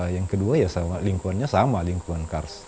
yang kedua ya lingkuannya sama lingkuan kars